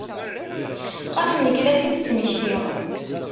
Xas nekk la tt-id-tmektiɣ.